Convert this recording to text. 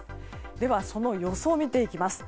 では、その予想を見ていきます。